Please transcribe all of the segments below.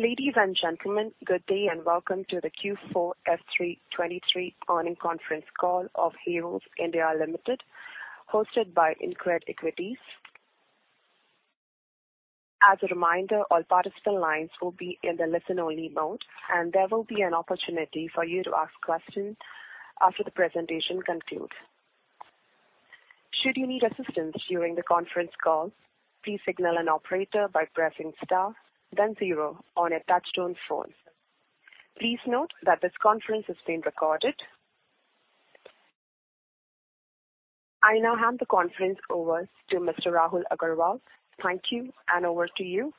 Ladies and gentlemen, good day and welcome to the Q4 FY 23 earning conference call of Havells India Limited, hosted by InCred Equities. As a reminder, all participant lines will be in the listen-only mode, and there will be an opportunity for you to ask questions after the presentation concludes. Should you need assistance during the conference call, please signal an operator by pressing star then 0 on your touch-tone phone. Please note that this conference is being recorded. I now hand the conference over to Mr. Rahul Agarwal. Thank you, and over to you.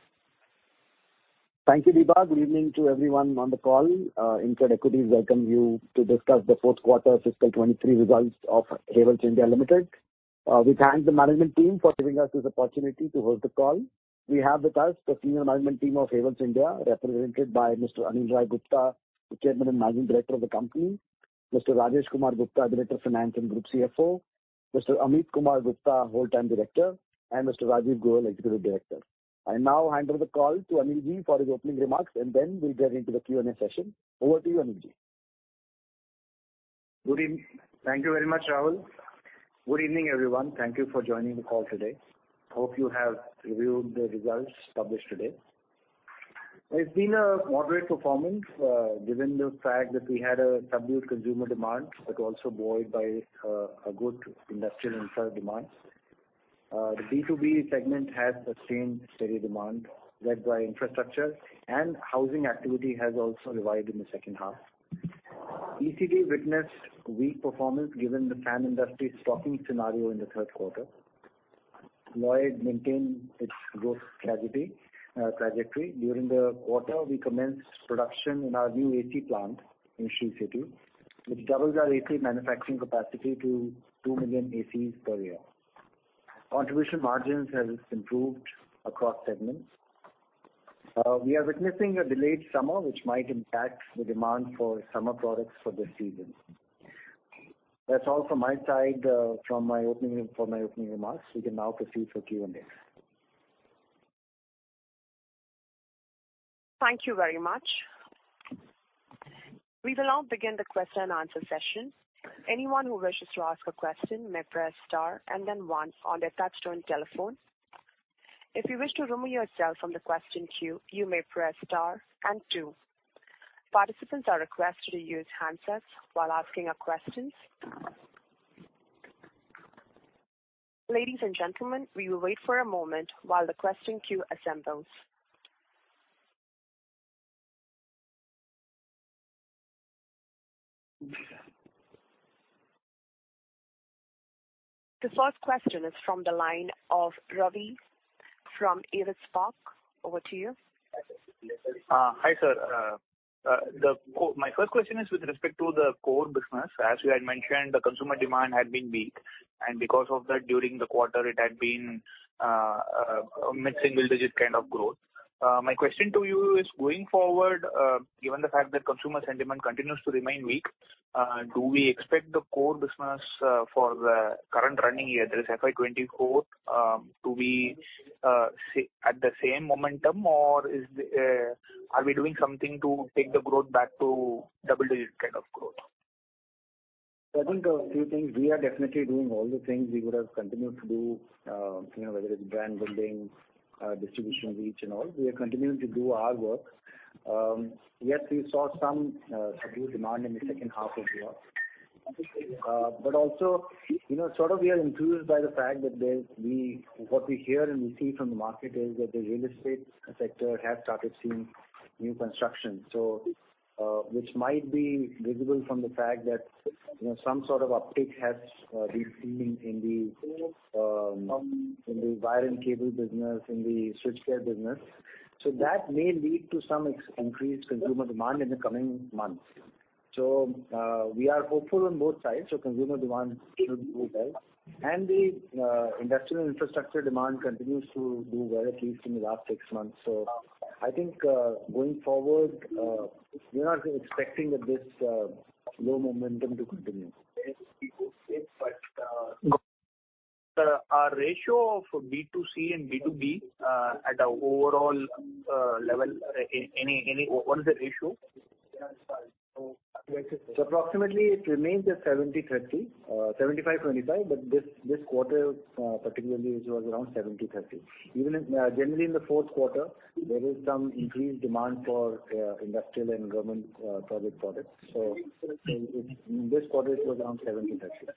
Thank you, Deepa. Good evening to everyone on the call. InCred Equities welcome you to discuss the fourth quarter fiscal 23 results of Havells India Limited. We thank the management team for giving us this opportunity to host the call. We have with us the senior management team of Havells India, represented by Mr. Anil Rai Gupta, the Chairman and Managing Director of the company, Mr. Rajesh Kumar Gupta, Director of Finance and Group CFO, Mr. Ameet Kumar Gupta, Whole-Time Director, and Mr. Rajiv Goel, Executive Director. I now hand over the call to Anil Ji for his opening remarks, and then we'll get into the Q&A session. Over to you, Anil Ji. Good evening. Thank you very much, Rahul. Good evening, everyone. Thank you for joining the call today. Hope you have reviewed the results published today. It's been a moderate performance, given the fact that we had a subdued consumer demand, but also buoyed by a good industrial infra demands. The B2B segment has sustained steady demand led by infrastructure, and housing activity has also revived in the second half. ECD witnessed weak performance given the fan industry stocking scenario in the third quarter. Lloyd maintained its growth trajectory. During the quarter, we commenced production in our new AC plant in Sri City, which doubles our AC manufacturing capacity to 2 million ACs per year. Contribution margins has improved across segments. We are witnessing a delayed summer, which might impact the demand for summer products for this season. That's all from my side, for my opening remarks. We can now proceed for Q&A. Thank you very much. We will now begin the question and answer session. Anyone who wishes to ask a question may press star and then one on their touchtone telephone. If you wish to remove yourself from the question queue, you may press star and two. Participants are requested to use handsets while asking a question. Ladies and gentlemen, we will wait for a moment while the question queue assembles. The first question is from the line of Ravi from Edith Park. Over to you. Hi, sir. My first question is with respect to the core business. As you had mentioned, the consumer demand had been weak, and because of that, during the quarter, it had been a mid-single-digit kind of growth. My question to you is, going forward, given the fact that consumer sentiment continues to remain weak, do we expect the core business, for the current running year, that is FY24, to be at the same momentum? Are we doing something to take the growth back to double-digit kind of growth? I think a few things. We are definitely doing all the things we would have continued to do, you know, whether it's brand building, distribution reach and all. We are continuing to do our work. Yes, we saw some subdued demand in the second half of the year. Also, you know, sort of we are enthused by the fact that what we hear and we see from the market is that the real estate sector has started seeing new construction, which might be visible from the fact that, you know, some sort of uptick has been seen in the wire and cable business, in the switchgear business. That may lead to increased consumer demand in the coming months. We are hopeful on both sides. Consumer demand should do well, and the industrial infrastructure demand continues to do well, at least in the last 6 months. I think going forward, we're not expecting that this low momentum to continue. The ratio of B2C and B2B at an overall level, any What is the ratio? Approximately it remains at 70/30, 75/25, but this quarter, particularly it was around 70/30. Generally in the fourth quarter, there is some increased demand for industrial and government project products. In this quarter, it was around 70/30.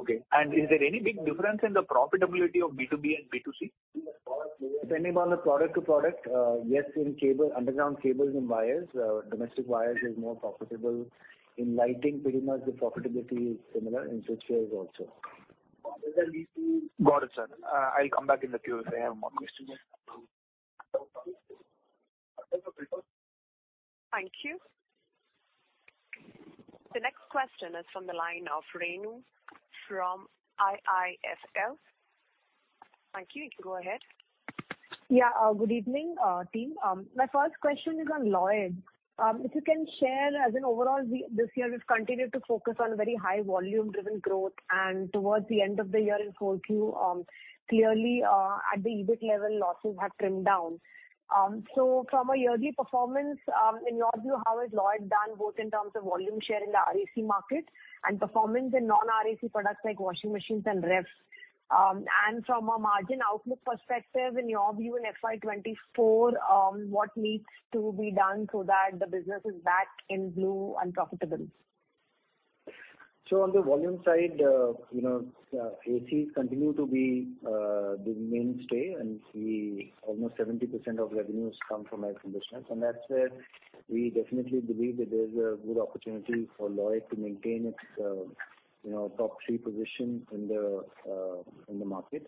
Okay. Is there any big difference in the profitability of B2B and B2C? Depending on the product to product, yes, in cable, underground cables and wires, domestic wires is more profitable. In lighting, pretty much the profitability is similar, in switch gears also. Got it, sir. I'll come back in the queue if I have more questions. Thank you. The next question is from the line of Renu from IIFL. Thank you. Go ahead. Yeah. Good evening, team. My first question is on Lloyd. If you can share as in overall, this year we've continued to focus on very high volume driven growth and towards the end of the year in Q4, clearly, at the EBIT level, losses have trimmed down. From a yearly performance, in your view, how has Lloyd done both in terms of volume share in the RAC market and performance in non-RAC products like washing machines and refs? From a margin outlook perspective, in your view in FY 2024, what needs to be done so that the business is back in blue and profitable? On the volume side, you know, ACs continue to be the mainstay and we almost 70% of revenues come from air conditioners. That's where we definitely believe that there's a good opportunity for Lloyd to maintain its, you know, top 3 position in the market.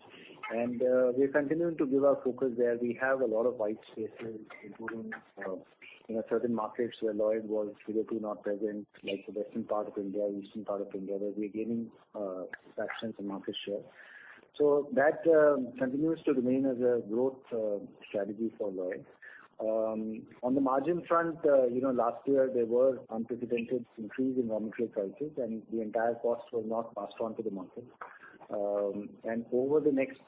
We're continuing to give our focus there. We have a lot of white spaces, including, you know, certain markets where Lloyd was hitherto not present, like the western part of India, eastern part of India, where we're gaining tractions and market share. That continues to remain as a growth strategy for Lloyd. On the margin front, you know, last year there were unprecedented increase in raw material prices, and the entire cost was not passed on to the market. Over the next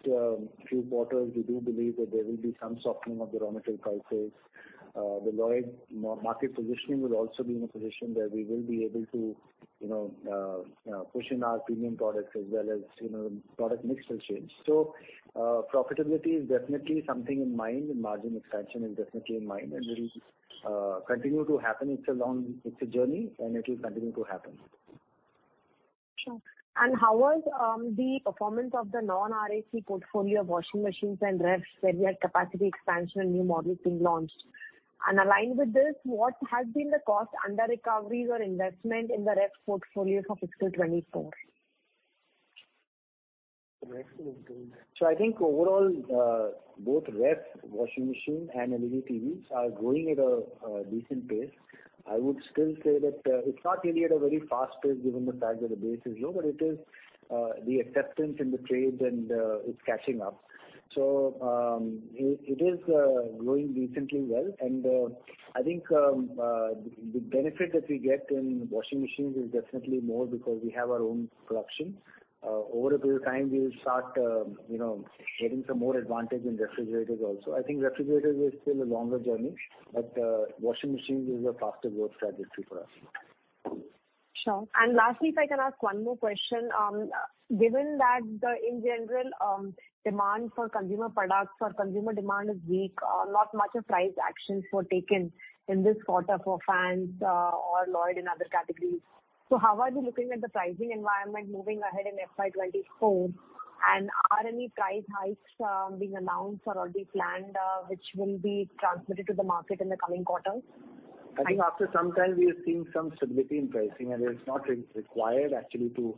few quarters, we do believe that there will be some softening of the raw material prices. The Lloyd market positioning will also be in a position where we will be able to, you know, push in our premium products as well as, you know, product mix will change. Profitability is definitely something in mind and margin expansion is definitely in mind and will continue to happen. It's a journey and it will continue to happen. Sure. How was the performance of the non-RAC portfolio, washing machines and refs, where we had capacity expansion and new models being launched? Aligned with this, what has been the cost under recoveries or investment in the ref portfolio for fiscal 2024? I think overall, both ref, washing machine and LED TVs are growing at a decent pace. I would still say that it's not really at a very fast pace given the fact that the base is low, but it is the acceptance in the trade and it's catching up. It is growing decently well. I think the benefit that we get in washing machines is definitely more because we have our own production. Over a period of time we'll start, you know, getting some more advantage in refrigerators also. I think refrigerators is still a longer journey, but washing machines is a faster growth strategy for us. Sure. Lastly, if I can ask one more question? Given that the, in general, demand for consumer products or consumer demand is weak, not much of price actions were taken in this quarter for fans, or Lloyd in other categories. How are you looking at the pricing environment moving ahead in FY 2024? Are any price hikes being announced or already planned, which will be transmitted to the market in the coming quarters? I think after some time we are seeing some stability in pricing, and it's not re-required actually to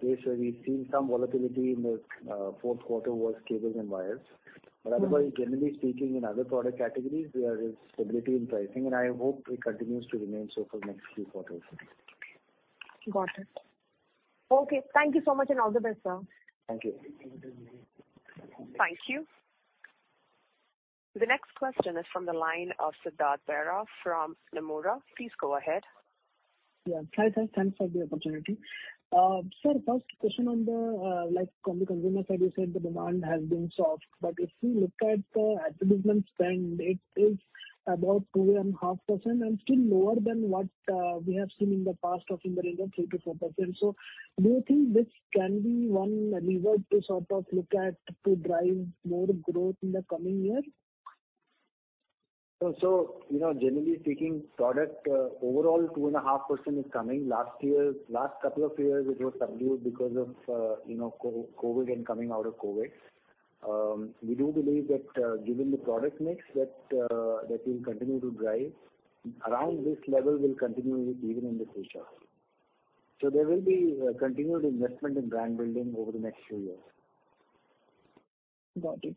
place where we've seen some volatility in the fourth quarter was cables and wires. Otherwise, generally speaking, in other product categories there is stability in pricing. I hope it continues to remain so for the next few quarters. Got it. Okay, thank you so much and all the best, sir. Thank you. Thank you. The next question is from the line of Siddhartha Bera from Nomura. Please go ahead. Yeah. Hi, sir. Thanks for the opportunity. Sir, first question on the like on the consumer side, you said the demand has been soft, if you look at the advertisement spend, it is about 2.5% and still lower than what we have seen in the past of in the range of 3%-4%. Do you think this can be one lever to sort of look at to drive more growth in the coming year? You know, generally speaking, product, overall 2.5% is coming. Last couple of years it was subdued because of, you know, COVID and coming out of COVID. We do believe that, given the product mix that we'll continue to drive around this level will continue even in the future. There will be continued investment in brand building over the next few years. Got it.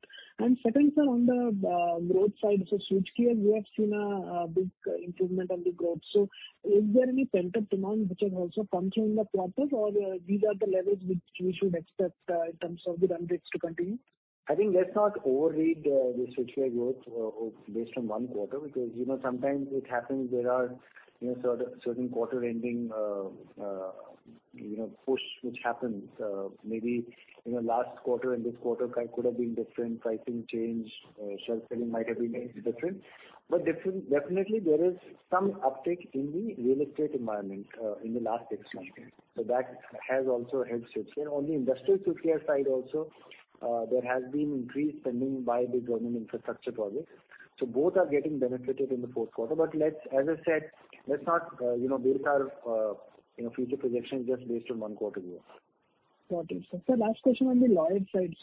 Second, sir, on the growth side. Switchgear, we have seen a big improvement on the growth. Is there any pent-up demand which has also come during the quarters or these are the levels which we should expect in terms of the run rates to continue? I think let's not overread the switchgear growth based on 1 quarter, because, you know, sometimes it happens there are, you know, certain quarter ending, you know, push which happens. Maybe, you know, last quarter and this quarter could have been different pricing change, shelf selling might have been different. Definitely there is some uptick in the real estate environment in the last 6 months. That has also helped switchgear. On the industrial switchgear side also, there has been increased spending by the government infrastructure projects. Both are getting benefited in the fourth quarter. As I said, let's not, you know, base our, you know, future projections just based on 1 quarter growth. Got it. Last question on the Lloyd side.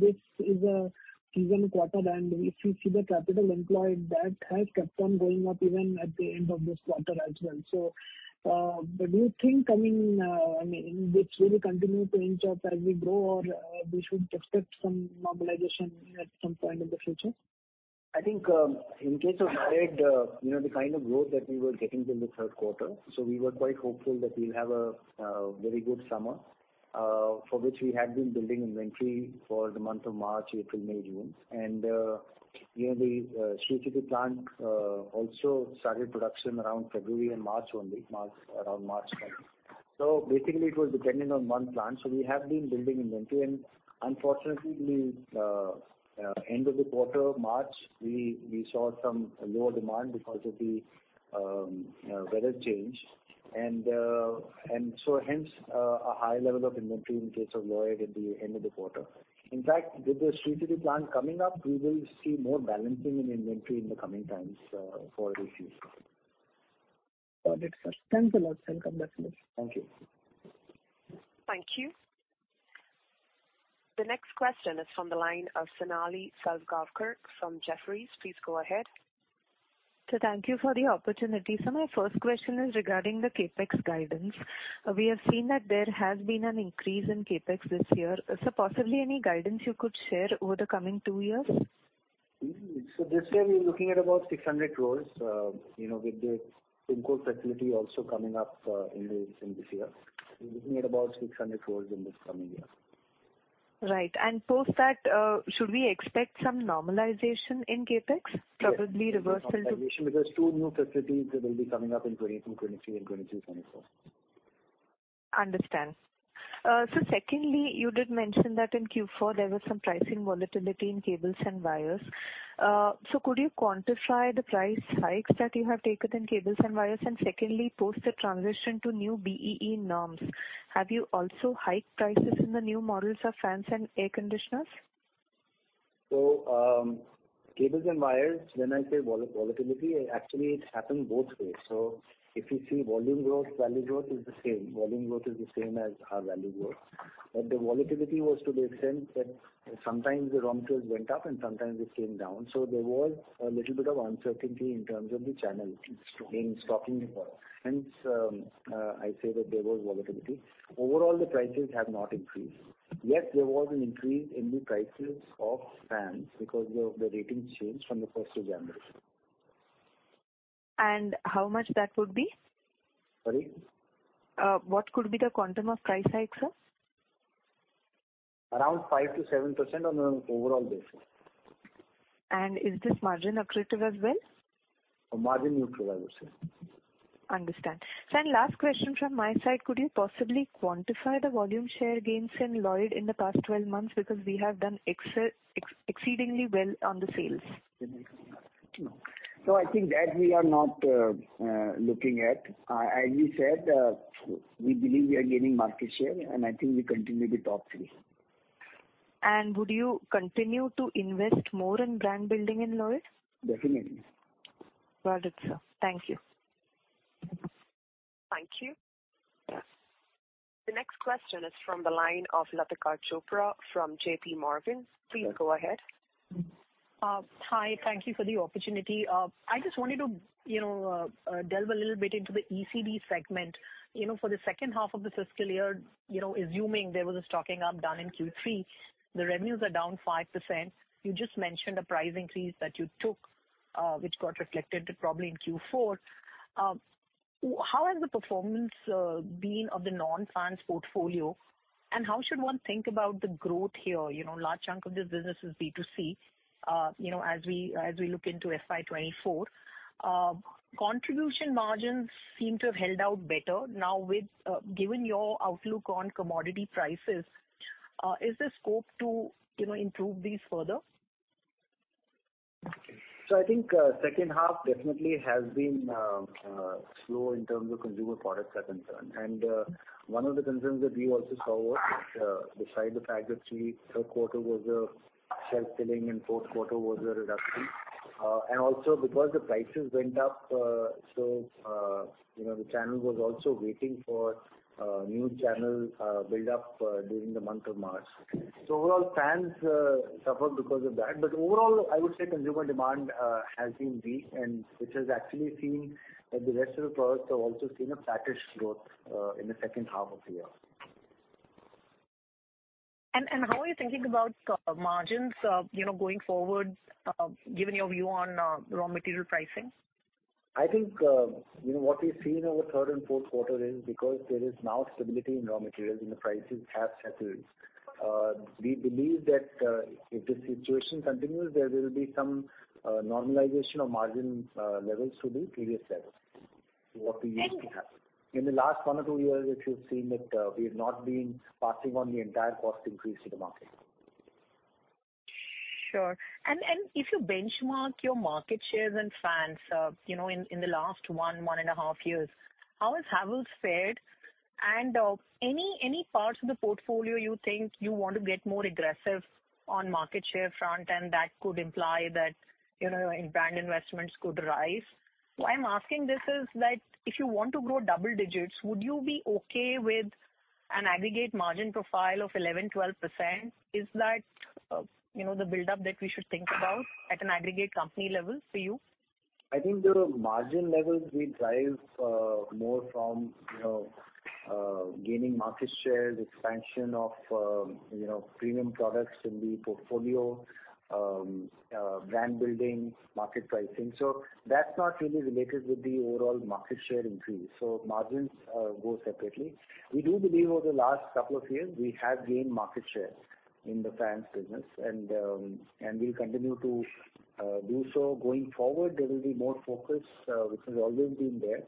This is a seasonal quarter and if you see the capital employed, that has kept on going up even at the end of this quarter as well. Do you think coming, I mean, this will continue to inch up as we grow or we should expect some mobilization at some point in the future? I think, in case of Lloyd, you know, the kind of growth that we were getting from the third quarter, we were quite hopeful that we'll have a very good summer, for which we had been building inventory for the month of March, April, May, June. You know, the Sri City plant also started production around February and March only, around March time. Basically, it was dependent on one plant. We have been building inventory. Unfortunately, end of the quarter, March, we saw some lower demand because of the weather change and so hence a high level of inventory in case of Lloyd at the end of the quarter. In fact, with the Sri City plant coming up, we will see more balancing in inventory in the coming times, for this use. Got it, sir. Thanks a lot. Thank you. Thank you. Thank you. The next question is from the line of Sonali Salgaonkar from Jefferies. Please go ahead. Thank you for the opportunity. My first question is regarding the CapEx guidance. We have seen that there has been an increase in CapEx this year. Possibly any guidance you could share over the coming two years? This year we're looking at about 600 crores, you know, with the Pimco facility also coming up, in this year. We're looking at about 600 crores in this coming year. Right. Post that, should we expect some normalization in CapEx, probably reversal. Yes. Normalization because two new facilities will be coming up in 2022, 2023 and 2023, 2024. Understand. Secondly, you did mention that in Q4 there was some pricing volatility in cables and wires. Could you quantify the price hikes that you have taken in cables and wires? Secondly, post the transition to new BEE norms, have you also hiked prices in the new models of fans and air conditioners? Cables and wires, when I say volatility, actually it happened both ways. If you see volume growth, value growth is the same. Volume growth is the same as our value growth. The volatility was to the extent that sometimes the raw materials went up and sometimes it came down. There was a little bit of uncertainty in terms of the channel in stocking the product. Hence, I say that there was volatility. Overall, the prices have not increased. There was an increase in the prices of fans because the ratings changed from the first of January. How much that would be? Sorry. What could be the quantum of price hike, sir? Around 5%-7% on an overall basis. Is this margin accretive as well? Margin neutral, I would say. Understand. Last question from my side, could you possibly quantify the volume share gains in Lloyd in the past 12 months? Because we have done exceedingly well on the sales. I think that we are not looking at. As we said, we believe we are gaining market share, and I think we continue to be top three. Would you continue to invest more in brand building in Lloyd? Definitely. Got it, sir. Thank you. Thank you. The next question is from the line of Latika Chopra from J.P. Morgan. Please go ahead. Hi. Thank you for the opportunity. I just wanted to, you know, delve a little bit into the ECD segment. You know, for the second half of the fiscal year, you know, assuming there was a stocking up done in Q3, the revenues are down 5%. You just mentioned a price increase that you took, which got reflected probably in Q4. How has the performance been of the non-fans portfolio, and how should one think about the growth here? You know, large chunk of this business is B2C. You know, as we look into FY 2024. Contribution margins seem to have held out better. Now with given your outlook on commodity prices, is there scope to, you know, improve these further? I think second half definitely has been slow in terms of consumer products are concerned. One of the concerns that we also saw was that, besides the fact that we, third quarter was a self-filling and fourth quarter was a reduction. Also because the prices went up, you know, the channel was also waiting for new channel build up during the month of March. Overall fans suffered because of that. Overall, I would say consumer demand has been weak and which has actually seen that the rest of the products have also seen a flattish growth in the second half of the year. How are you thinking about margins, you know, going forward, given your view on raw material pricing? I think, you know, what we've seen over third and fourth quarter is because there is now stability in raw materials and the prices have settled. We believe that, if the situation continues, there will be some normalization of margins levels to the previous levels to what we used to have. And- In the last one or two years, if you've seen that, we've not been passing on the entire cost increase to the market. Sure. If you benchmark your market shares and fans, you know, in the last one and a half years, how has Havells fared? Any parts of the portfolio you think you want to get more aggressive on market share front, and that could imply that, you know, in brand investments could rise? Why I'm asking this is that if you want to grow double digits, would you be okay with an aggregate margin profile of 11-12%? Is that, you know, the buildup that we should think about at an aggregate company level for you? I think the margin levels we drive, more from, you know, gaining market share, the expansion of, you know, premium products in the portfolio, brand building, market pricing. That's not really related with the overall market share increase, so margins go separately. We do believe over the last couple of years we have gained market share in the fans business and we'll continue to do so. Going forward, there will be more focus, which has always been there,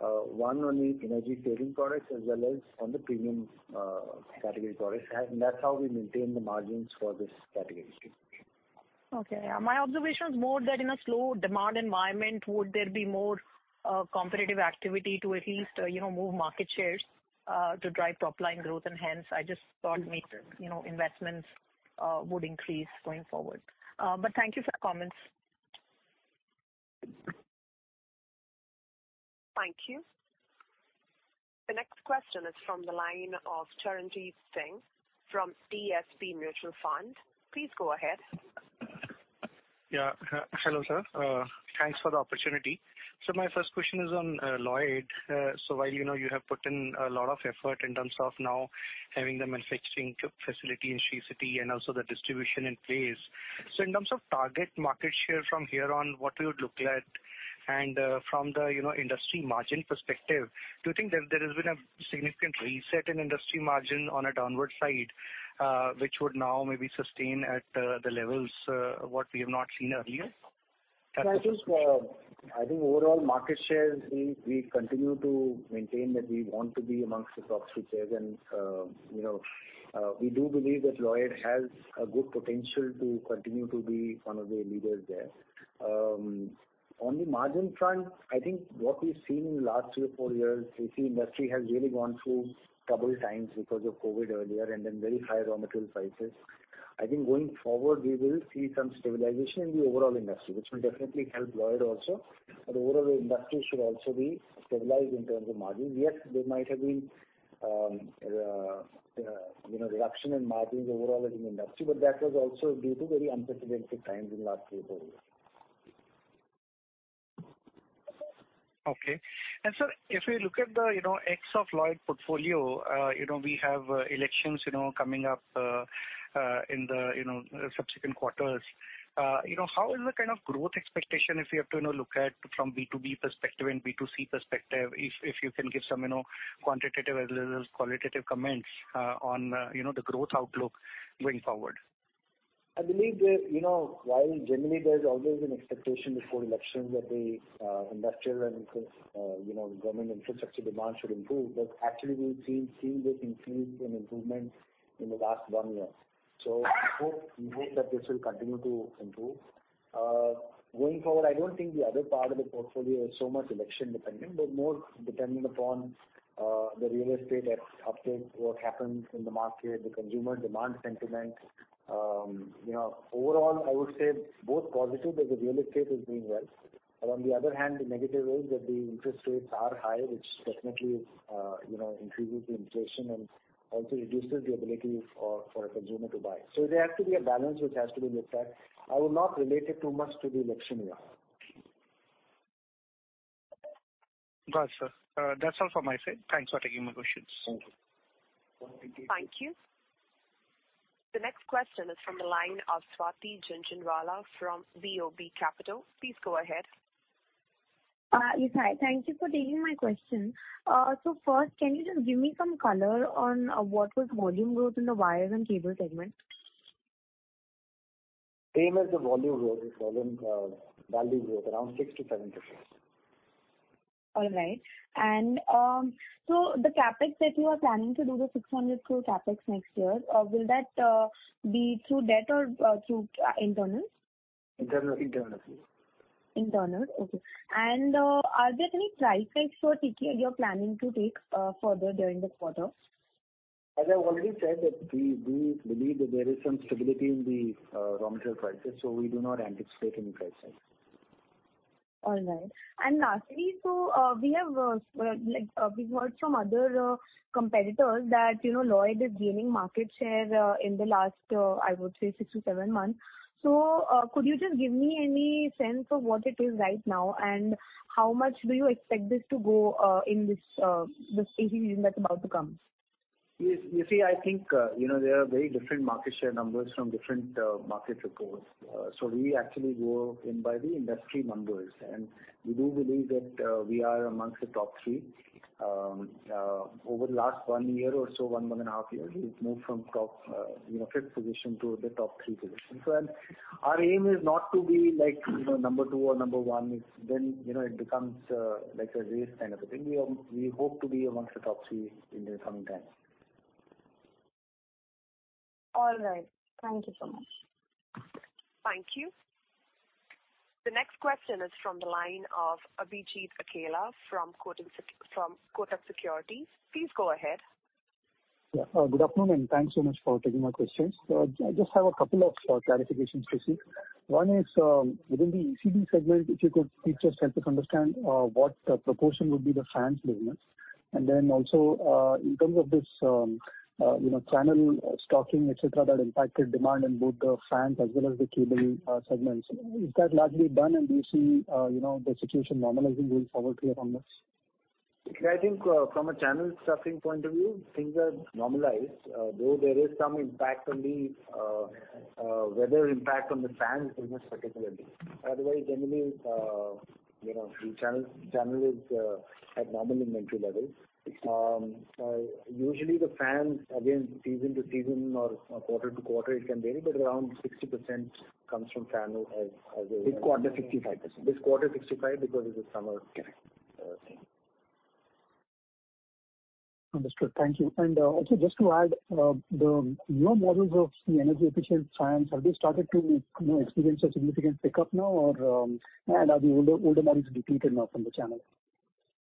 one on the energy saving products as well as on the premium, category products. That's how we maintain the margins for this category. Okay. My observation is more that in a slow demand environment, would there be more, competitive activity to at least, you know, move market shares, to drive top-line growth? Hence I just thought maybe, you know, investments, would increase going forward. Thank you for your comments. Thank you. The next question is from the line of Charanjit Singh from DSP Mutual Fund. Please go ahead. Yeah. Hello, sir. Thanks for the opportunity. My first question is on Lloyd. While, you know, you have put in a lot of effort in terms of now having the manufacturing facility in Sri City and also the distribution in place, so in terms of target market share from here on, what we would look at? From the, you know, industry margin perspective, do you think that there has been a significant reset in industry margin on a downward side, which would now maybe sustain at the levels what we have not seen earlier? I think overall market shares, we continue to maintain that we want to be amongst the top three players. You know, we do believe that Lloyd has a good potential to continue to be one of the leaders there. On the margin front, I think what we've seen in last three or four years, AC industry has really gone through troubled times because of COVID earlier and then very high raw material prices. I think going forward we will see some stabilization in the overall industry, which will definitely help Lloyd also. Overall industry should also be stabilized in terms of margins. Yes, there might have been, you know, reduction in margins overall in the industry, but that was also due to very unprecedented times in last three or four years. Okay. Sir, if we look at the, you know, X of Lloyd portfolio, you know, we have elections, you know, coming up in the, you know, subsequent quarters. You know, how is the kind of growth expectation if we have to, you know, look at from B2B perspective and B2C perspective, if you can give some, you know, quantitative as well as qualitative comments on, you know, the growth outlook going forward? I believe that, you know, while generally there's always an expectation before elections that the industrial and, you know, government infrastructure demand should improve, but actually we've seen it improve and improvements in the last one year. We hope that this will continue to improve. Going forward, I don't think the other part of the portfolio is so much election dependent, but more dependent upon the real estate updates, what happens in the market, the consumer demand sentiment. You know, overall, I would say both positive that the real estate is doing well. On the other hand, the negative is that the interest rates are high, which definitely, you know, increases the inflation and also reduces the ability for a consumer to buy. There has to be a balance which has to be looked at. I will not relate it too much to the election year. Got it, sir. That's all from my side. Thanks for taking my questions. Thank you. Thank you. The next question is from the line of Swati Jhunjhunwala from BOB Capital. Please go ahead. Yes. Hi. Thank you for taking my question. First can you just give me some color on what was volume growth in the wires and cable segment? Same as the volume growth, value growth, around 6%-7%. All right. The CapEx that you are planning to do, the 600 crore CapEx next year, will that be through debt or through internals? Internal, internally. Internal. Okay. Are there any price hikes for TCA you're planning to take further during this quarter? As I've already said that we believe that there is some stability in the raw material prices, so we do not anticipate any price hikes. All right. Lastly, we have, like, we've heard from other competitors that, you know, Lloyd is gaining market share in the last, I would say 6-7 months. Could you just give me any sense of what it is right now, and how much do you expect this to go in this AC season that's about to come? Yes. You see, I think, you know, there are very different market share numbers from different, market reports. We actually go in by the industry numbers, and we do believe that, we are amongst the top three. Over the last one year or so, one and a half years, we've moved from top, you know, fifth position to the top three position. Our aim is not to be like, you know, number two or number one. It's then, you know, it becomes, like a race kind of a thing. We hope to be amongst the top three in the coming time. All right. Thank you so much. Thank you. The next question is from the line of Abhijit Akella from Kotak Securities. Please go ahead. Yeah. Good afternoon, thanks so much for taking my questions. I just have a couple of clarifications to seek. One is, within the ECD segment, if you could please just help us understand what the proportion would be the fans business? Also, in terms of this, you know, channel stocking, et cetera, that impacted demand in both the fans as well as the cable segments, is that largely done and do you see, you know, the situation normalizing going forward here on this? I think, from a channel stuffing point of view, things are normalized. Though there is some impact on the weather impact on the fans business particularly. Otherwise, generally, you know, the channel is at normal inventory levels. Usually the fans again, season to season or quarter to quarter, it can vary, but around 60% comes from channel as a This quarter, 65%. This quarter 65 because it's a summer. Correct. Understood. Thank you. Also just to add, the new models of the energy efficient fans, have they started to, you know, experience a significant pickup now or have the older models depleted now from the channel?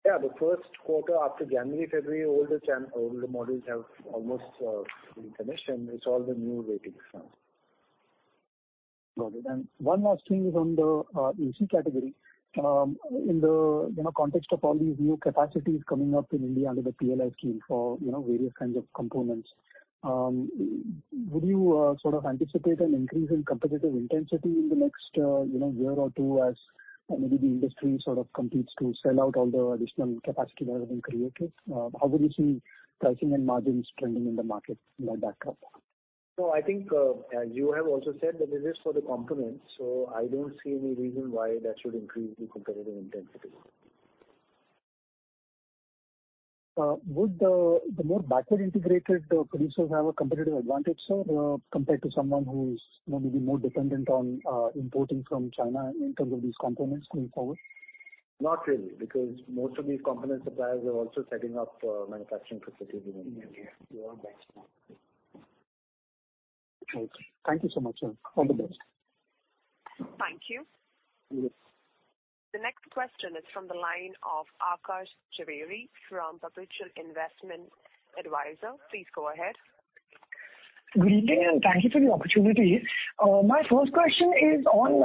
Yeah. The first quarter after January, February, older models have almost been finished, and it's all the new rating fans. Got it. One last thing is on the AC category. In the, you know, context of all these new capacities coming up in India under the PLI scheme for, you know, various kinds of components, would you sort of anticipate an increase in competitive intensity in the next, you know, year or two as maybe the industry sort of competes to sell out all the additional capacity that has been created? How would you see pricing and margins trending in the market in that backdrop? No, I think, as you have also said that this is for the components, so I don't see any reason why that should increase the competitive intensity. Would the more backward integrated producers have a competitive advantage, sir, compared to someone who's maybe more dependent on importing from China in terms of these components going forward? Not really, because most of these component suppliers are also setting up manufacturing facilities in India. They're all backed now. Okay. Thank you so much, sir. All the best. Thank you. Yes. The next question is from the line of Aakash Jhaveri from Perpetual Investment Advisor. Please go ahead. Good evening, thank you for the opportunity. My first question is on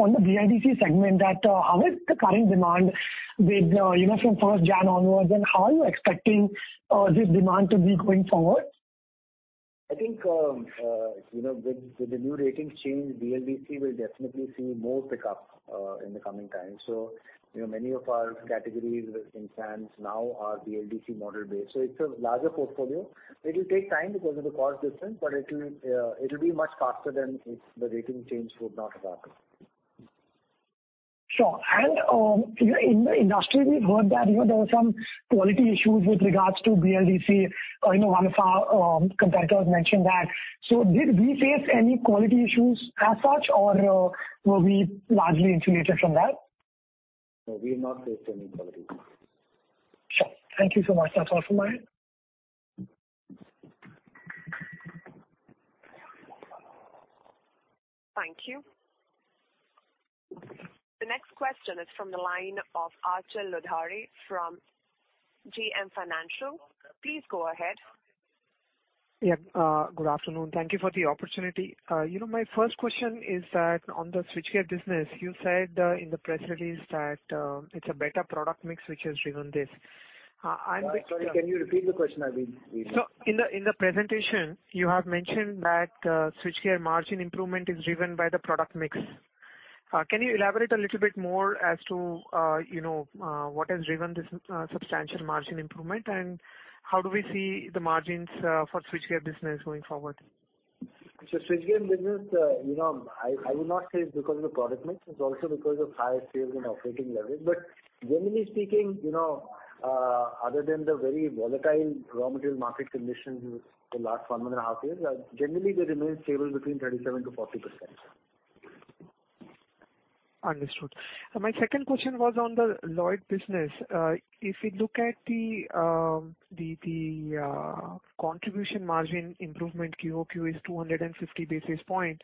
on the BLDC segment that how is the current demand with you know, from first January onwards, and how are you expecting this demand to be going forward? I think, you know, with the new ratings change, BLDC will definitely see more pickup in the coming time. Many of our categories in fans now are BLDC model based. It's a larger portfolio. It will take time because of the cost difference, but it will be much faster than if the rating change would not have happened. Sure. In the industry, we've heard that, you know, there were some quality issues with regards to BLDC. you know, one of our competitors mentioned that. Did we face any quality issues as such or, were we largely insulated from that? No, we've not faced any quality issues. Sure. Thank you so much. That's all from my end. Thank you. The next question is from the line of Achal Lohade from JM Financial. Please go ahead. Yeah. Good afternoon. Thank you for the opportunity. You know, my first question is that on the switchgear business, you said in the press release that it's a better product mix which has driven this. Sorry. Can you repeat the question? I didn't hear. In the presentation you have mentioned that switchgear margin improvement is driven by the product mix. Can you elaborate a little bit more as to, you know, what has driven this substantial margin improvement, and how do we see the margins for switchgear business going forward? Switchgear business, you know, I would not say it's because of the product mix. It's also because of higher sales and operating leverage. Generally speaking, you know, other than the very volatile raw material market conditions the last one and a half years, generally they remain stable between 37%-40%. Understood. My second question was on the Lloyd business. If we look at the contribution margin improvement QOQ is 250 basis points,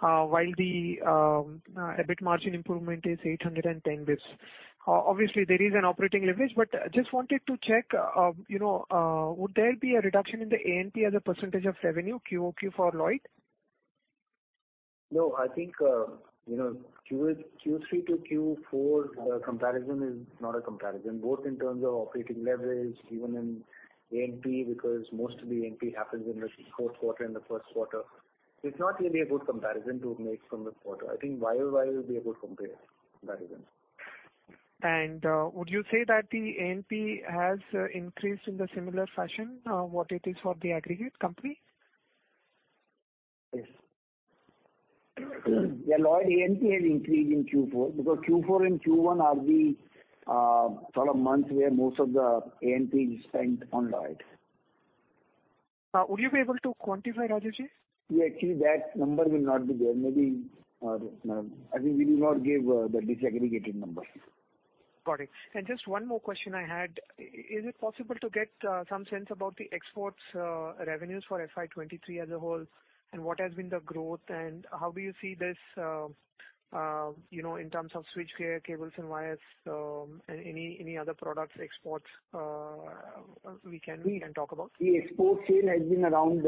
while the EBIT margin improvement is 810 basis points. Obviously, there is an operating leverage. Just wanted to check, you know, would there be a reduction in the A&P as a percentage of revenue QOQ for Lloyd? No, I think, you know, Q3 to Q4 comparison is not a comparison, both in terms of operating leverage, even in A&P, because most of the A&P happens in the fourth quarter and the first quarter. It's not really a good comparison to make from the quarter. I think YOY will be a good comparison. Would you say that the A&P has increased in the similar fashion, what it is for the aggregate company? Yes. The Lloyd A&P has increased in Q4 because Q4 and Q1 are the sort of months where most of the A&P is spent on Lloyd. Would you be able to quantify, Raju ji? Yeah. Actually, that number will not be there. Maybe, I think we will not give the disaggregated numbers. Got it. Just one more question I had. Is it possible to get some sense about the exports revenues for FY23 as a whole, and what has been the growth, and how do you see this, you know, in terms of switchgear, cables and wires, any other products exports, we can talk about? The export sale has been around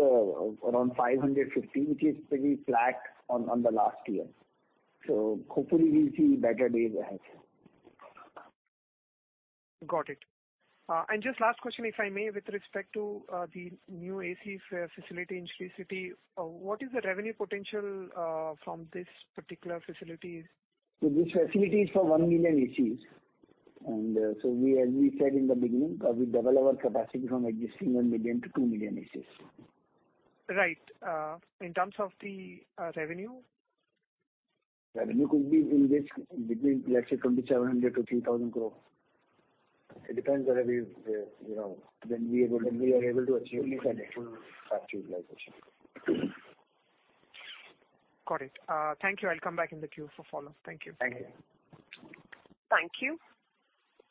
550, which is pretty flat on the last year. Hopefully we'll see better days ahead. Got it. Just last question, if I may, with respect to the new ACs facility in Sri City, what is the revenue potential from this particular facility? This facility is for 1 million ACs. As we said in the beginning, we double our capacity from existing 1 million to 2 million ACs. Right. In terms of the revenue? Revenue could be in this, between, let's say 2,700 crore-3,000 crore. It depends whether we, you know, when we are able to achieve full factory utilization. Got it. Thank you. I'll come back in the queue for follow-up. Thank you. Thank you. Thank you.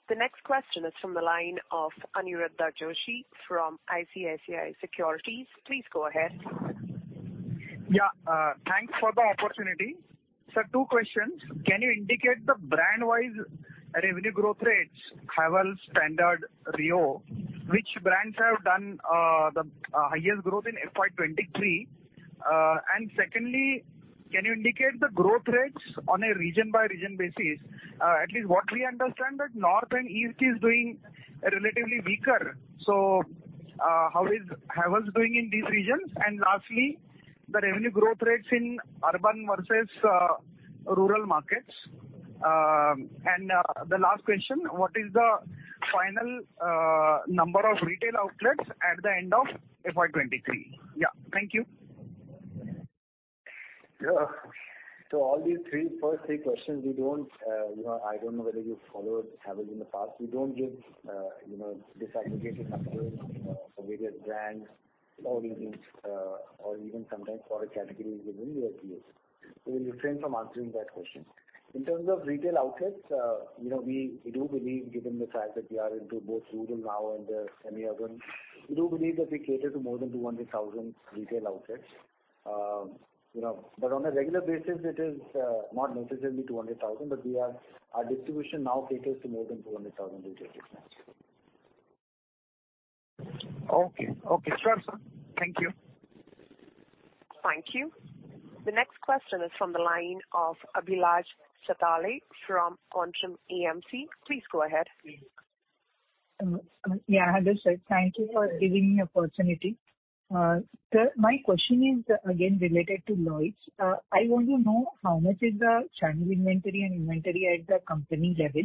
The next question is from the line of Aniruddha Joshi from ICICI Securities. Please go ahead. Yeah. Thanks for the opportunity. Sir, 2 questions. Can you indicate the brand-wise revenue growth rates, Havells, Standard, Reo? Which brands have done the highest growth in FY23? Secondly, can you indicate the growth rates on a region-by-region basis? At least what we understand that North and East is doing relatively weaker. How is Havells doing in these regions? Lastly, the revenue growth rates in urban versus rural markets. The last question, what is the final number of retail outlets at the end of FY23? Yeah. Thank you. Yeah. All these three, first three questions, we don't, you know, I don't know whether you followed Havells in the past. We don't give, you know, disaggregated numbers, you know, for various brands or regions, or even sometimes product category within the ACs. We'll refrain from answering that question. In terms of retail outlets, you know, we do believe, given the fact that we are into both rural now and semi-urban, we do believe that we cater to more than 200,000 retail outlets. You know, on a regular basis, it is not necessarily 200,000. Our distribution now caters to more than 200,000 retail outlets. Okay. Okay. Sure, sir. Thank you. Thank you. The next question is from the line of Abhilasha Satale from Quantum AMC. Please go ahead. Hello, sir. Thank you for giving me opportunity. Sir, my question is, again, related to Lloyd's. I want to know how much is the channel inventory and inventory at the company level,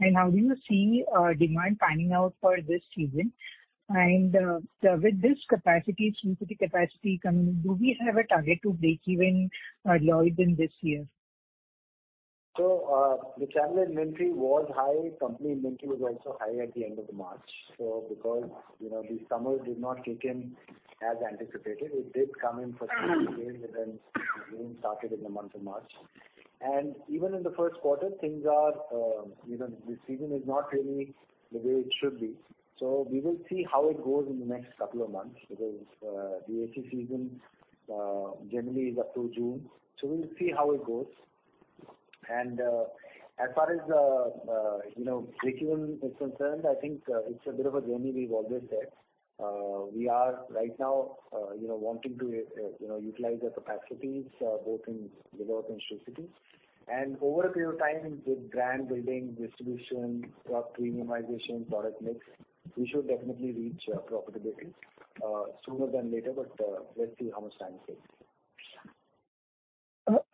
and how do you see demand panning out for this season? Sir, with this capacity, Sri City capacity coming, do we have a target to break even Lloyd in this year? The channel inventory was high. Company inventory was also high at the end of March. Because, you know, the summer did not kick in as anticipated, it did come in for few days, the season started in the month of March. Even in the first quarter, things are, you know, the season is not really the way it should be. We will see how it goes in the next couple of months because the AC season generally is up to June. We'll see how it goes. As far as the, you know, breakeven is concerned, I think, it's a bit of a journey we've always said. We are right now, you know, wanting to, you know, utilize our capacities, both in Ghiloth and Sri City. Over a period of time with brand building, distribution, product premiumization, product mix, we should definitely reach profitability, sooner than later. Let's see how much time it takes.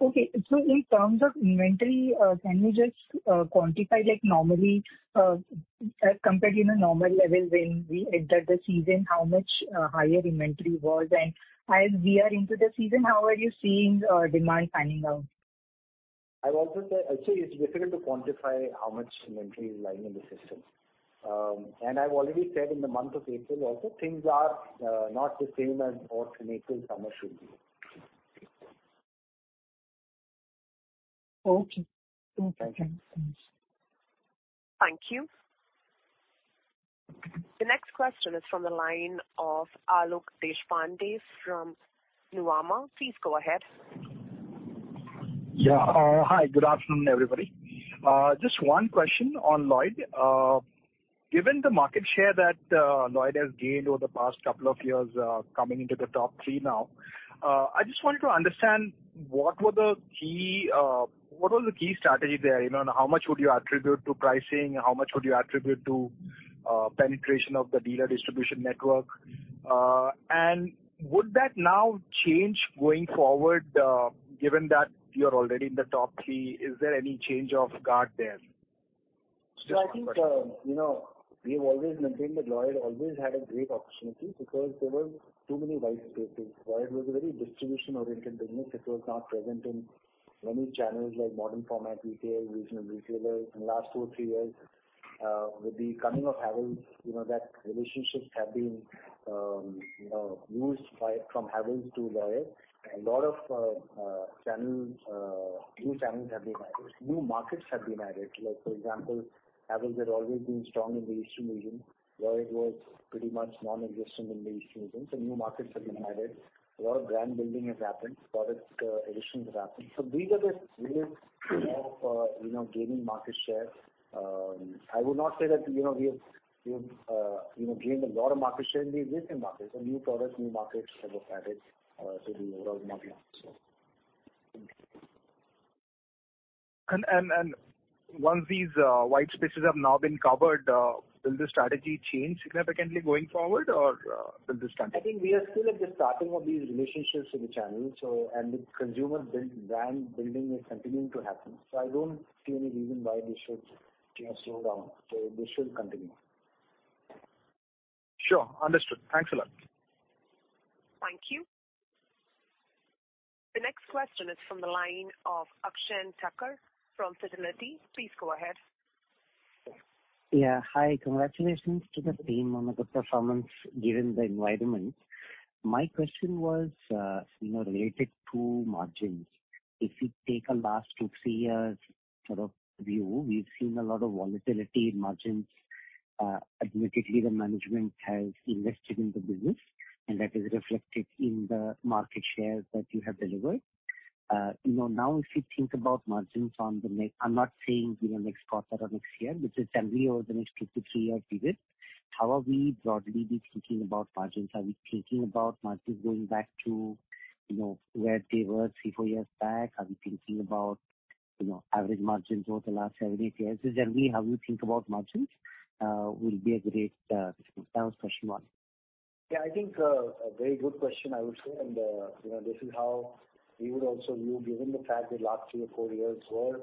Okay. In terms of inventory, can you just quantify, like, normally, compared to the normal level when we entered the season, how much higher inventory was? As we are into the season, how are you seeing demand panning out? I've also said... I'd say it's difficult to quantify how much inventory is lying in the system. I've already said in the month of April also, things are not the same as what an April summer should be. Okay. Thank you. Thank you. The next question is from the line of Alok Deshpande from Nuvama. Please go ahead. Yeah. Hi. Good afternoon, everybody. Just one question on Lloyd. Given the market share that Lloyd has gained over the past couple of years, coming into the top three now, I just wanted to understand what were the key, what was the key strategy there? You know, how much would you attribute to pricing? How much would you attribute to penetration of the dealer distribution network? Would that now change going forward, given that you're already in the top three? Is there any change of guard there? I think, you know, we have always maintained that Lloyd always had a great opportunity because there were too many white spaces. Lloyd was a very distribution-oriented business. It was not present in many channels like modern format retail, regional retailers. In last 2 or 3 years, with the coming of Havells, you know, that relationships have been, you know, used by, from Havells to Lloyd. A lot of channels, new channels have been added. New markets have been added. Like, for example, Havells had always been strong in the eastern region. Lloyd was pretty much non-existent in the eastern region. New markets have been added. A lot of brand building has happened. Product additions have happened. These are the various of, you know, gaining market share. I would not say that, you know, we have, you know, gained a lot of market share in the existing markets. New products, new markets have added to the overall margin. Once these wide spaces have now been covered, will the strategy change significantly going forward, or will this continue? I think we are still at the starting of these relationships with the channels, so, and the consumer build, brand building is continuing to happen. I don't see any reason why this should, you know, slow down. This should continue. Sure. Understood. Thanks a lot. Thank you. The next question is from the line of Akshay Thakkar from Fidelity. Please go ahead. Yeah. Hi. Congratulations to the team on the good performance, given the environment. My question was, you know, related to margins. If you take a last 2, 3 years sort of view, we've seen a lot of volatility in margins. Admittedly, the management has invested in the business, and that is reflected in the market share that you have delivered. You know, now if you think about margins on the next I'm not saying, you know, next quarter or next year, but just generally over the next 2 to 3-year period, how are we broadly be thinking about margins? Are we thinking about margins going back to, you know, where they were 3, 4 years back? Are we thinking about, you know, average margins over the last 7, 8 years? Just generally, how you think about margins will be a great starting question mark? Yeah, I think, a very good question I would say. You know, this is how we would also view, given the fact that last 3 or 4 years were,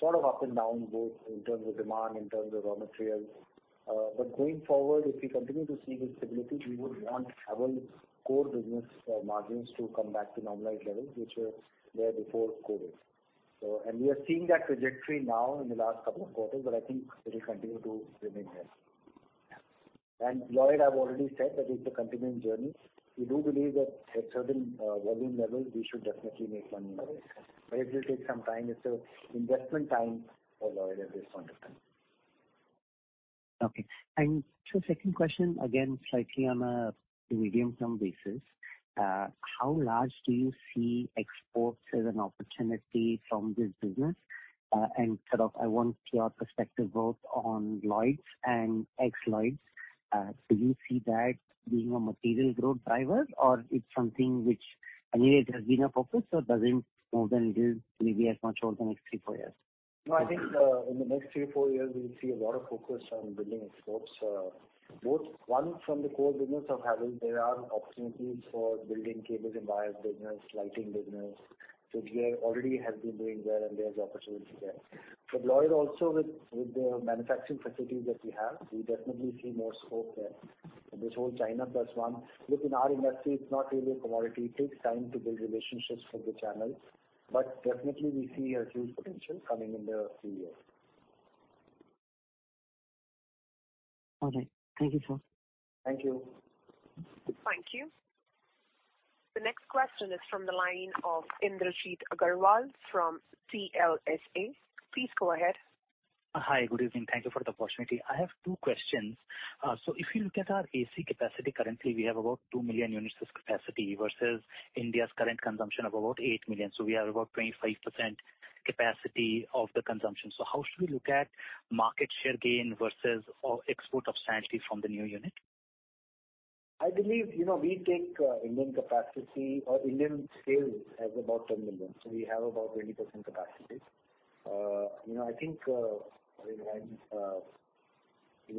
sort of up and down both in terms of demand, in terms of raw materials. Going forward, if we continue to see this stability, we would want Havells' core business, margins to come back to normalized levels, which were there before COVID. We are seeing that trajectory now in the last couple of quarters, but I think it will continue to remain there. Lloyd, I've already said that it's a continuing journey. We do believe that at certain, volume levels, we should definitely make money. It will take some time. It's a investment time for Lloyd at this point of time. Okay. Second question, again, slightly on a medium-term basis, how large do you see exports as an opportunity from this business? Sort of I want your perspective both on Lloyd and ex-Lloyd. Do you see that being a material growth driver or it's something which, I mean, it has been a focus or doesn't more than it is maybe as much over the next three, four years? No, I think, in the next three, four years, we'll see a lot of focus on building exports. Both one, from the core business of Havells, there are opportunities for building cables and wires business, lighting business. We are already have been doing well and there's opportunity there. Lloyd also with the manufacturing facilities that we have, we definitely see more scope there. This whole China plus one. Within our industry, it's not really a commodity. It takes time to build relationships with the channels. Definitely we see a huge potential coming in the three years. All right. Thank you, sir. Thank you. Thank you. The next question is from the line of Indrajit Agarwal from CLSA. Please go ahead. Hi. Good evening. Thank you for the opportunity. I have two questions. If you look at our AC capacity, currently we have about 2 million units as capacity versus India's current consumption of about 8 million. We have about 25% capacity of the consumption. How should we look at market share gain versus, or export substantially from the new unit? I believe, you know, we take Indian capacity or Indian sales as about 10 million. We have about 20% capacity. You know, I think, you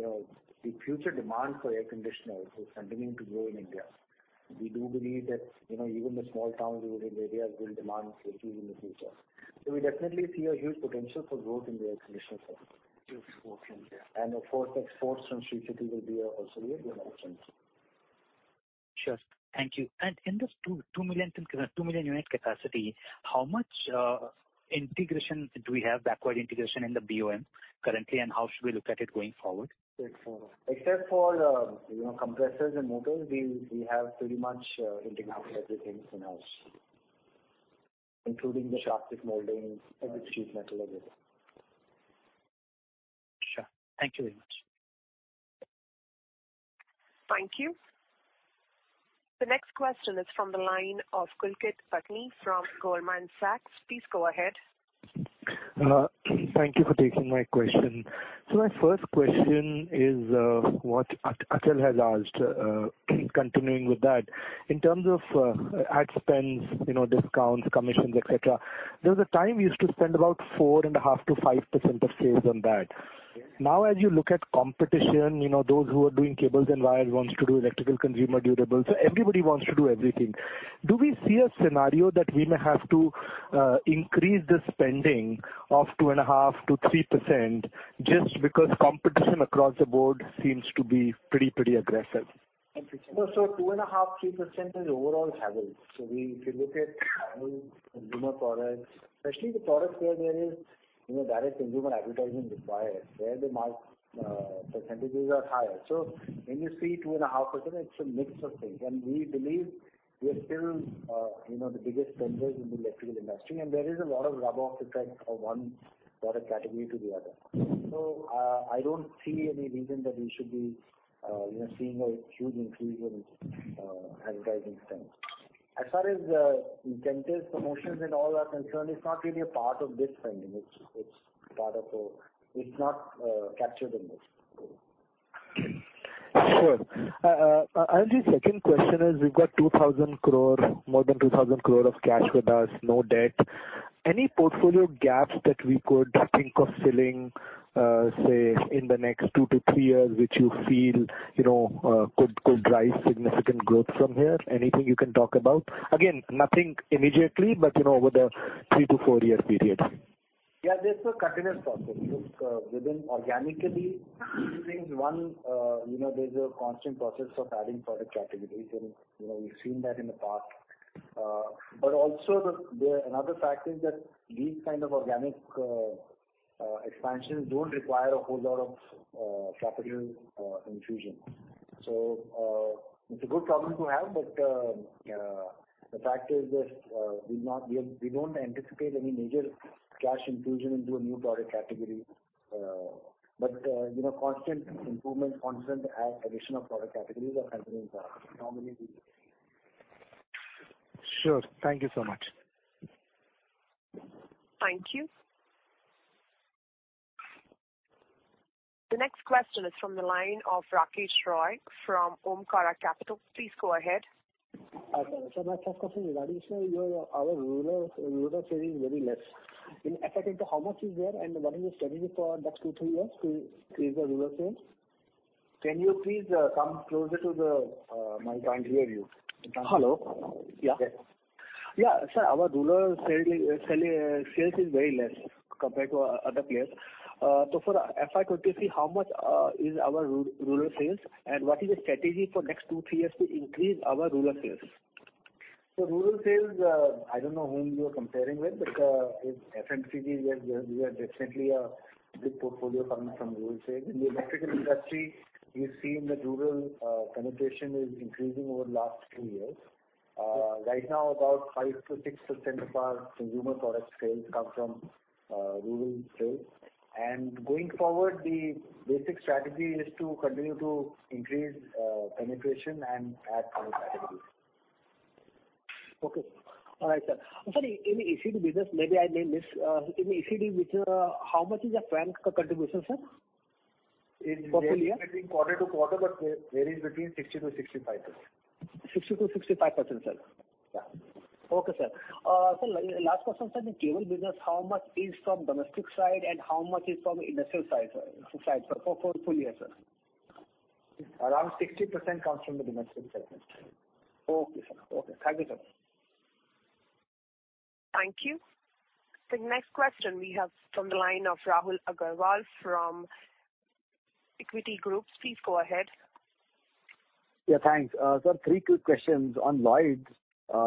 know, the future demand for air conditioners is continuing to grow in India. We do believe that, you know, even the small towns within India will demand ACs in the future. We definitely see a huge potential for growth in the air conditioner space. Yes. Okay. Of course, exports from Sri City will be also a good option. Sure. Thank you. In this 2 million unit capacity, how much integration do we have, backward integration in the BOM currently, and how should we look at it going forward? Except for, you know, compressors and motors, we have pretty much integrated everything in-house, including the plastic moldings and the sheet metal as well. Sure. Thank you very much. Thank you. The next question is from the line of Pulkit Patni from Goldman Sachs. Please go ahead. Thank you for taking my question. My first question is what Akshen has asked, continuing with that. In terms of ad spends, you know, discounts, commissions, et cetera, there was a time you used to spend about 4.5% to 5% of sales on that. Now, as you look at competition, you know, those who are doing cables and wires wants to do electrical consumer durables. Everybody wants to do everything. Do we see a scenario that we may have to increase the spending of 2.5% to 3% just because competition across the board seems to be pretty aggressive? 2.5%-3% is overall Havells. We, if you look at Havells consumer products, especially the products where there is, you know, direct consumer advertising required, there the percentages are higher. When you see 2.5%, it's a mix of things. We believe we are still, you know, the biggest spenders in the electrical industry, and there is a lot of rub-off effect from one product category to the other. I don't see any reason that we should be, you know, seeing a huge increase in advertising spend. As far as general trade promotions and all are concerned, it's not really a part of this spending. It's part of a... It's not captured in this. Sure. The second question is, we've got 2,000 crore, more than 2,000 crore of cash with us, no debt. Any portfolio gaps that we could think of filling, say, in the next 2-3 years, which you feel, you know, could drive significant growth from here? Anything you can talk about? Again, nothing immediately, but you know, over the 3-4 year period. Yeah, there's a continuous process. Look, within organically using one, you know, there's a constant process of adding product categories. You know, we've seen that in the past. But also the another fact is that these kind of organic expansions don't require a whole lot of capital infusion. It's a good problem to have, but the fact is that we don't anticipate any major cash infusion into a new product category. But, you know, constant improvement, constant addition of product categories are happening normally. Sure. Thank you so much. Thank you. The next question is from the line of Rakesh Roy from Omkara Capital. Please go ahead. Okay. My first question is, Rajesh, so your, our rural sales is very less. In FY23, how much is there and what is the strategy for next 2, 3 years to increase the rural sales? Can you please come closer to the my can't hear you? Hello. Yeah. Yes. Yeah. Sir, our rural sales is very less compared to other players. For FY 23, how much is our rural sales and what is the strategy for next two, three years to increase our rural sales? Rural sales, I don't know whom you're comparing with, but in FMCG, we are definitely a good portfolio coming from rural sales. In the electrical industry, we've seen the rural penetration is increasing over the last two years. Right now about 5% to 6% of our consumer product sales come from rural sales. Going forward, the basic strategy is to continue to increase penetration and add more categories. Okay. All right, sir. Sorry, in the ECD business, maybe I may miss, in the ECD business, how much is the fan contribution, sir? It varies between quarter-to-quarter, but varies between 60%-65%. 60%-65%, sir. Yeah. Okay, sir. sir, last question, sir. In cable business, how much is from domestic side and how much is from industrial side, sir, for full year, sir? Around 60% comes from the domestic side. Okay, sir. Okay. Thank you, sir. Thank you. The next question we have from the line of Rahul Agarwal from InCred Equities. Please go ahead. Yeah, thanks. sir, three quick questions. On Lloyd's,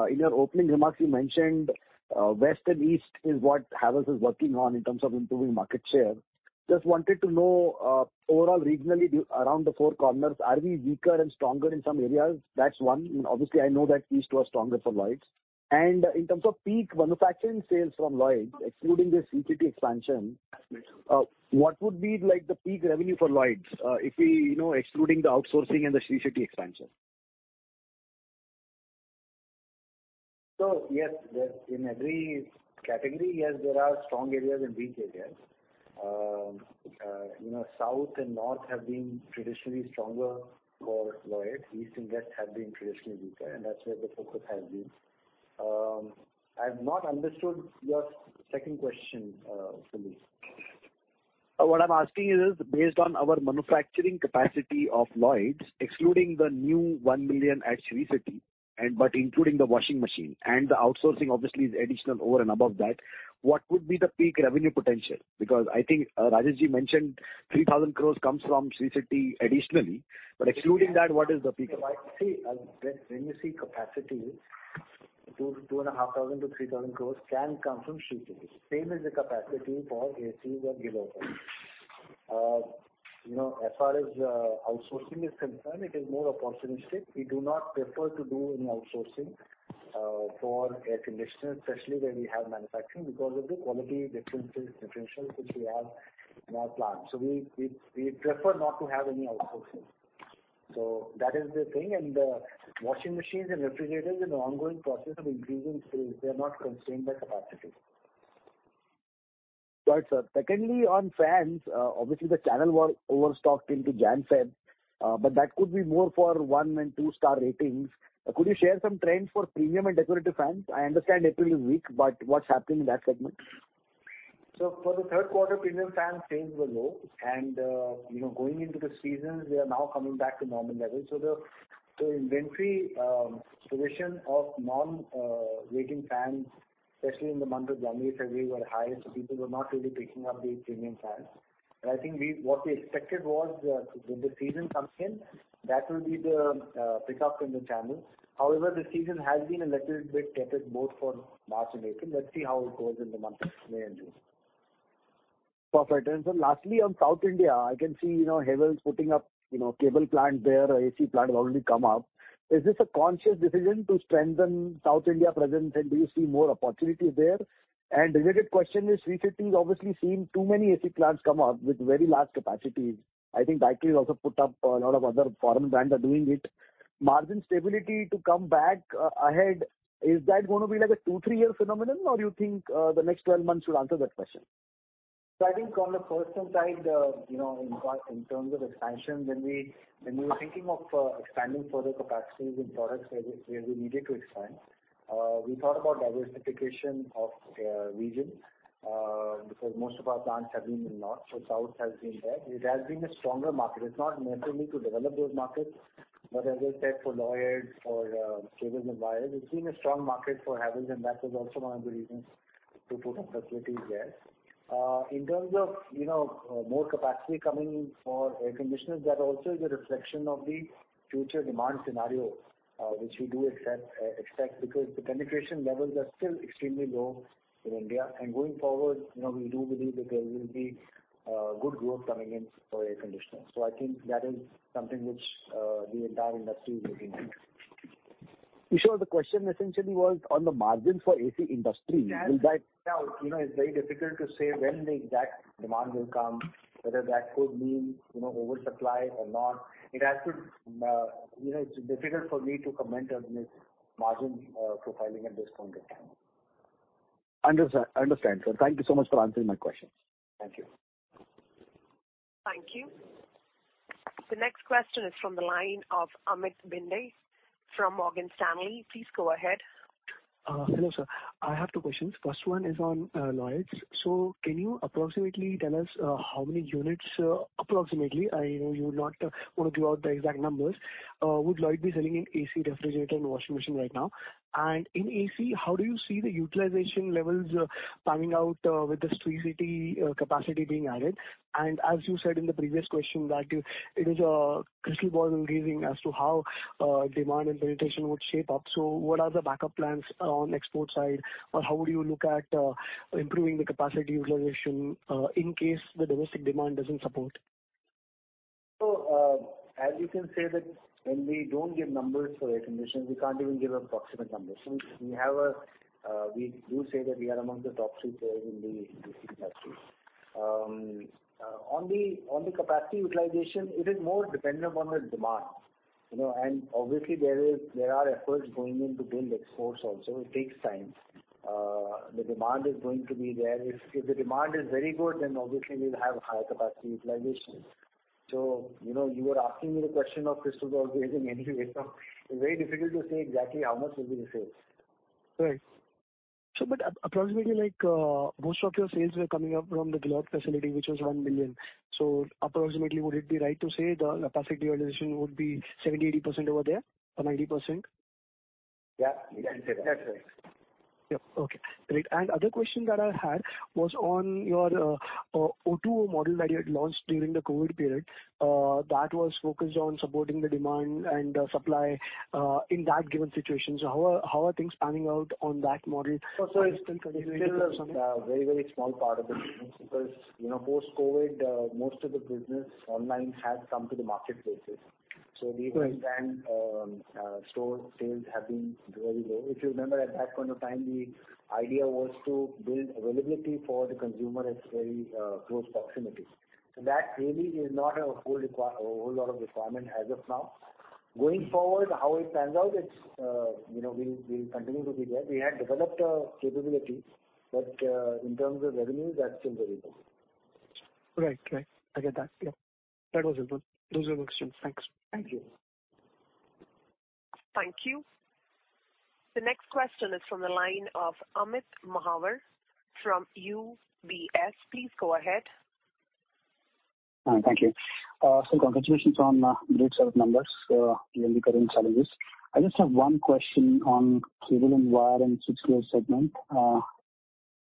in your opening remarks you mentioned, west and east is what Havells is working on in terms of improving market share. Just wanted to know, overall regionally around the four corners, are we weaker and stronger in some areas? That's one. Obviously, I know that east was stronger for Lloyd's. In terms of peak manufacturing sales from Lloyd's, excluding the Sri City expansion, what would be like the peak revenue for Lloyd's, if we, you know, excluding the outsourcing and the Sri City expansion? Yes, in every category, yes, there are strong areas and weak areas. You know, South and North have been traditionally stronger for Lloyd. East and West have been traditionally weaker, and that's where the focus has been. I've not understood your second question fully. What I'm asking is, based on our manufacturing capacity of Lloyd, excluding the new 1 million at Sri City and, but including the washing machine and the outsourcing obviously is additional over and above that, what would be the peak revenue potential? I think Rajesh-ji mentioned 3,000 crore comes from Sri City additionally, but excluding that, what is the peak? When you see capacity, 2,500 crores-3,000 crores can come from Sri City. Same is the capacity for ACs at Ghiloth. As far as outsourcing is concerned, it is more opportunistic. We do not prefer to do any outsourcing for air conditioners, especially when we have manufacturing because of the quality differences, differentials which we have in our plant. We prefer not to have any outsourcing. That is the thing. Washing machines and refrigerators is an ongoing process of increasing sales. They are not constrained by capacity. Right, sir. Secondly, on fans, obviously the channel was overstocked into Janfeb, that could be more for 1 and 2-star ratings. Could you share some trends for premium and decorative fans? I understand April is weak, but what's happening in that segment? For the third quarter, premium fans sales were low and, you know, going into the season, we are now coming back to normal levels. Inventory, position of non, rating fans, especially in the month of January, February, were high, so people were not really picking up the premium fans. I think we, what we expected was the, when the season comes in, that will be the, pick up in the channels. However, the season has been a little bit tepid both for March and April. Let's see how it goes in the months of May and June. Perfect. Sir, lastly, on South India, I can see, you know, Havells putting up, you know, cable plant there, AC plant has already come up. Is this a conscious decision to strengthen South India presence? Do you see more opportunities there? Related question is Sri City is obviously seeing too many AC plants come up with very large capacities. I think Beko also put up, a lot of other foreign brands are doing it. Margin stability to come back ahead, is that gonna be like a 2-3 year phenomenon, or you think the next 12 months should answer that question? I think on the first hand side, you know, in part, in terms of expansion, when we were thinking of expanding further capacities in products where we needed to expand, we thought about diversification of region, because most of our plants have been in north. South has been there. It has been a stronger market. It's not necessarily to develop those markets, but as I said, for Lloyd or cables and wires, it's been a strong market for Havells. That was also one of the reasons to put up facilities there. In terms of, you know, more capacity coming in for air conditioners, that also is a reflection of the future demand scenario, which we do accept, expect because the penetration levels are still extremely low in India. Going forward, you know, we do believe that there will be good growth coming in for air conditioners. I think that is something which the entire industry is working on. Vishal, the question essentially was on the margin for AC industry. Yes. You know, it's very difficult to say when the exact demand will come, whether that could mean, you know, oversupply or not. It has to, you know, it's difficult for me to comment on the margin, profiling at this point in time. Understood. I understand, sir. Thank you so much for answering my questions. Thank you. Thank you. The next question is from the line of Amit Bhinde from Morgan Stanley. Please go ahead. Hello sir. I have two questions. First one is on Lloyd. Can you approximately tell us how many units approximately, I know you would not wanna give out the exact numbers, would Lloyd be selling in AC, refrigerator and washing machine right now? In AC, how do you see the utilization levels panning out with the Sri City capacity being added? As you said in the previous question that it is a crystal ball gazing as to how demand and penetration would shape up. What are the backup plans on export side? Or how would you look at improving the capacity utilization in case the domestic demand doesn't support? As you can say that when we don't give numbers for air conditioners, we can't even give approximate numbers. We have a, we do say that we are among the top three players in the AC industry. On the capacity utilization, it is more dependent upon the demand. You know, and obviously there are efforts going in to build exports also. It takes time. The demand is going to be there. If the demand is very good, then obviously we'll have higher capacity utilization. You know, you are asking me the question of crystal ball gazing anyway, so it's very difficult to say exactly how much will be the sales. Approximately like, most of your sales were coming up from the Ghiloth facility, which was 1 million. Approximately would it be right to say the capacity utilization would be 70%-80% over there or 90%? Yeah, you can say that. That's right. Yep. Okay. Great. Other question that I had was on your O2O model that you had launched during the COVID period. That was focused on supporting the demand and supply in that given situation. How are things panning out on that model? So, so it's- Still continuing or something? This is a very, very small part of the business because, you know, post-COVID, most of the business online has come to the market places. Right. We understand, store sales have been very low. If you remember at that point of time, the idea was to build availability for the consumer at very close proximity. That really is not a whole lot of requirement as of now. Going forward, how it pans out, it's, you know, we'll continue to be there. We had developed a capability, but in terms of revenue, that's been very low. Right. Right. I get that. Yeah. That was it, then. Those were my questions. Thanks. Thank you. Thank you. The next question is from the line of Amit Mahawar from UBS. Please go ahead. Thank you. Congratulations on great set of numbers, really current challenges. I just have one question on cable and wire and switchgear segment.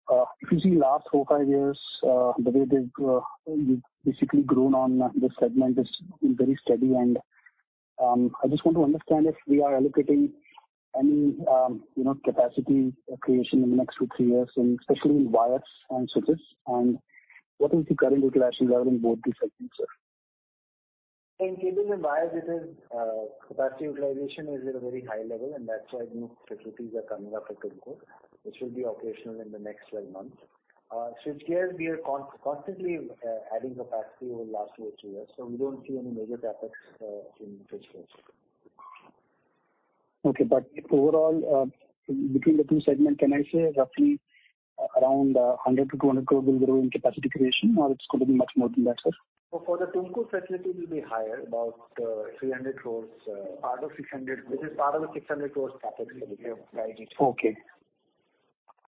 If you see last four, five years, the way they've, you've basically grown on the segment is very steady and, I just want to understand if we are allocating any, you know, capacity creation in the next two, three years in especially in wires and switches, and what is the current utilization level in both these segments, sir? In cables and wires it is, capacity utilization is at a very high level. That's why new facilities are coming up at Tumkur, which will be operational in the next 12 months. Switchgears we are constantly adding capacity over last two, three years. We don't see any major CapEx in switchgears. Okay. Overall, between the two segment, can I say roughly around, 100 crore-200 crore will grow in capacity creation or it's going to be much more than that, sir? For the Tumkur facility will be higher, about 300 crores, part of 600 crores. This is part of an 600 crores CapEx that we have guided.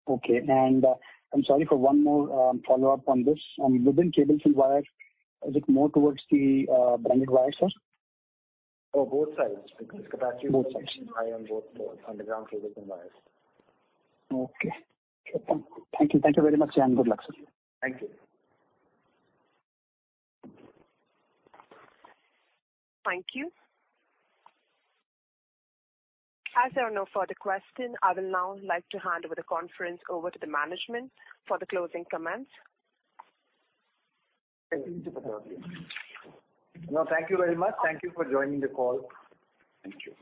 Okay. Okay. I'm sorry for one more follow-up on this. Within cables and wires, is it more towards the branded wires, sir? Oh, both sides. Both sides. Utilization is high on both, underground cables and wires. Okay. Sure. Thank you. Thank you very much and good luck, sir. Thank you. Thank you. As there are no further question, I will now like to hand over the conference over to the management for the closing comments. Thank you. Deepa, over to you. No, thank you very much. Thank you for joining the call. Thank you.